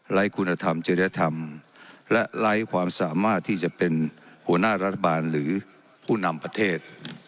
คุณธรรมเจริยธรรมและไร้ความสามารถที่จะเป็นหัวหน้ารัฐบาลหรือผู้นำประเทศ